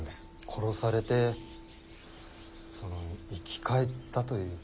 殺されてその生き返ったという？